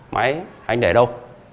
máy anh để đâu